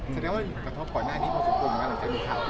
แสดงว่าอยู่กับพอหน้านี้พอซื้อคุณมั้ยหลังจากนี้ค่ะ